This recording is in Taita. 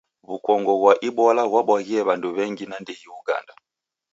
W'ukongo ghwa Ibola ghwabwaghie w'andu w'engi nandighi Uganda.